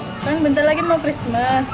kan bentar lagi mau christmas